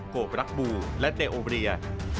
โกปรักษ์บูลและเตอร์โอเบลีย